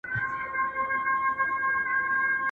څوک له ښاره څوک راغلي وه له کلي.